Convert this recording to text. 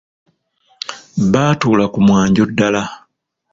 Baatuula ku mwanjo ddala.